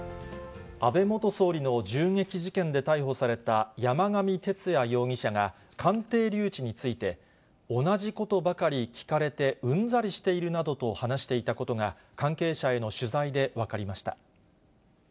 安倍元総理の銃撃事件で逮捕された山上徹也容疑者が鑑定留置について、同じことばかり聞かれてうんざりしているなどと話していたことが、関係者への取材で分かりました。